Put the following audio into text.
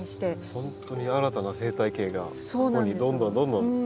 本当に新たな生態系がここにどんどんどんどん。